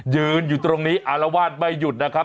ยืนอยู่ตรงนี้อารวาสไม่หยุดนะครับ